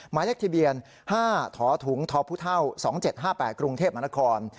หมายเลขทะเบียน๕ถถุงทพ๒๗๕๘กรุงเทพมนคร